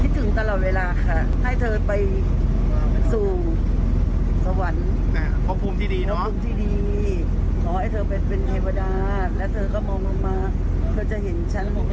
สู้นะพ่อเธออยู่ในใจฉันตลอดเวลารักพ่อมากที่สุด